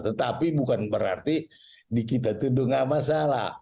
tetapi bukan berarti di kita itu tidak masalah